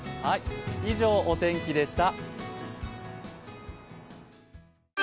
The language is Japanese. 以上、お天気でした。